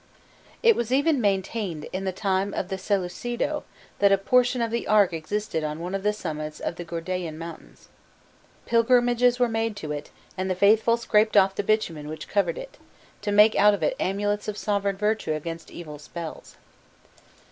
It was even maintained in the time of the Seleucido, that a portion of the ark existed on one of the summits of the Gordyaean mountains. Pilgrimages were made to it, and the faithful scraped off the bitumen which covered it, to make out of it amulets of sovereign virtue against evil spells.